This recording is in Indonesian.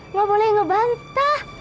nggak boleh ngebantah